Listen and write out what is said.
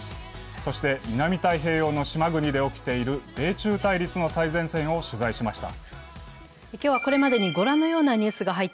そして南太平洋の島国で起きている米中対立の最前線を取材しました。